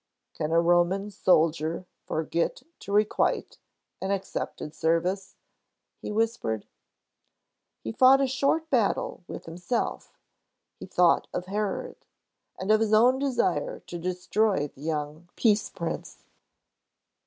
"Can a Roman soldier forget to requite an accepted service?" he whispered. He fought a short battle with himself. He thought of Herod, and of his own desire to destroy the young Peace Prince.